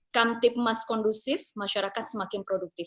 kam tip mas kondusif masyarakat semakin produktif